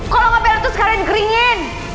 kalo gak pelan tuh sekarang dikeringin